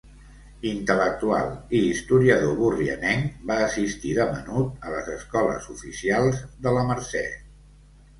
Intel·lectual i historiador borrianenc, va assistir de menut a les escoles oficials de la Mercè.